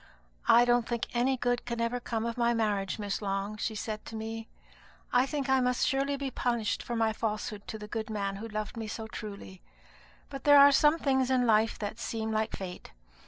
'I don't think any good can ever come of my marriage, Miss Long,' she said to me; 'I think I must surely be punished for my falsehood to the good man who loved me so truly. But there are some things in life that seem like fate.